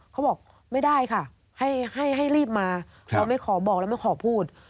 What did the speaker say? เขาบอกไม่ได้ค่ะให้รีบมาเราไม่ขอบอกแล้วไม่ขอพูด